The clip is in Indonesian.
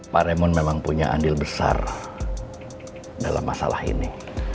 pak raymond memang punya andil besar dalam masalah ini